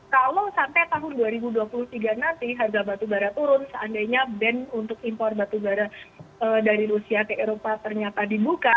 kalau sampai tahun dua ribu dua puluh tiga nanti harga batubara turun seandainya band untuk impor batubara dari rusia ke eropa ternyata dibuka